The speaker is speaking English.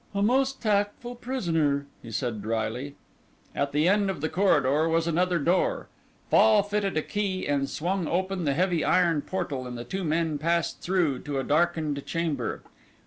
"A most tactful prisoner," he said, dryly. At the end of the corridor was another door. Fall fitted a key and swung open the heavy iron portal and the two men passed through to a darkened chamber.